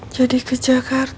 jadi ke jakarta